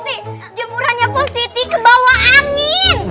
itu loh aduh pusiti